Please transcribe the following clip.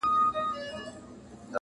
نن رستم د افسانو په سترګو وینم؛